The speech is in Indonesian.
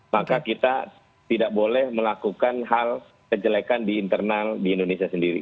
maka kita tidak boleh melakukan hal kejelekan di internal di indonesia sendiri